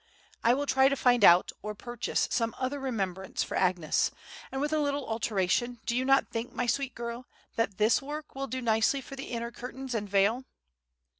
I will try to find out, or purchase, some other remembrance for Agnes; and, with a little alteration, do you not think, my sweet girl, that this work will do nicely for the inner curtains and veil?"